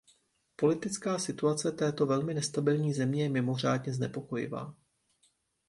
Politická situace této velmi nestabilní země je mimořádně znepokojivá.